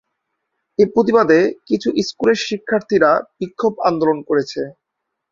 এর প্রতিবাদে কিছু স্কুলের শিক্ষার্থী রা বিক্ষোভ-আন্দোলন করেছে।